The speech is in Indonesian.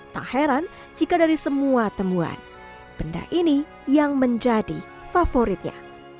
tak heran jika dari semua temuan benda ini yang menjadi favoritnya